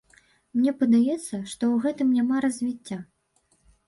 Мне падаецца, што ў гэтым няма развіцця.